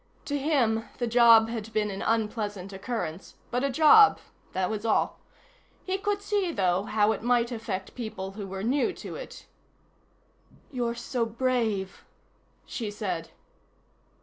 To him, the job had been an unpleasant occurrence, but a job, that was all. He could see, though, how it might affect people who were new to it. "You're so brave," she said.